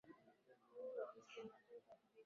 muhimu cha Oxgen nacho kiharibiwe lazima tulinde